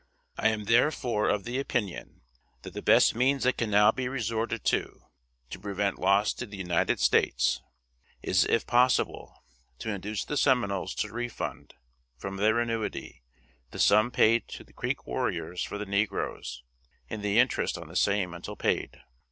I am therefore of the opinion, that the best means that can now be resorted to, to prevent loss to the United States, is, if possible, to induce the Seminoles to refund, from their annuity, the sum paid to the Creek warriors for the negroes, and the interest on the same until paid.